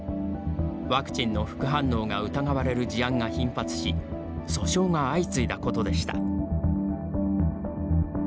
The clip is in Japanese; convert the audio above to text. ワクチンの副反応が疑われる事案が頻発し訴訟が相次いだことでした。